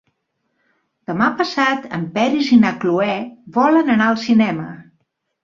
Demà passat en Peris i na Cloè volen anar al cinema.